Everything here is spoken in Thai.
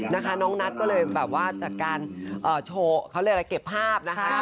นะคะน้องนัทก็เลยแบบว่าจัดการโชว์เขาเรียกอะไรเก็บภาพนะคะ